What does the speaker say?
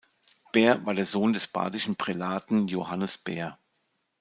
Bähr war der Sohn des badischen Prälaten Johannes Bähr.